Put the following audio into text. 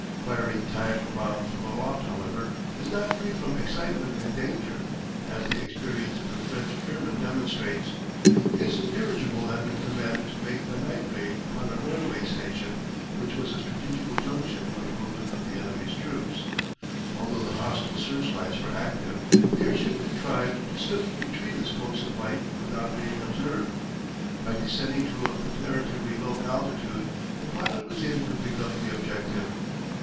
Firing timed bombs from aloft, however, is not free from excitement and danger, as the experience of a French airman demonstrates. His dirigible had been commanded to make a night raid upon a railway station which was a strategical junction for the movement of the enemy's troops. Although the hostile searchlights were active, the airship contrived to slip between the spokes of light without being observed. By descending to a comparatively low altitude the pilot was able to pick up the objective.